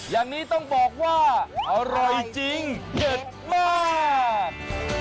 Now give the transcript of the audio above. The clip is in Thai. อย่างนี้ต้องบอกว่าอร่อยจริงเด็ดมาก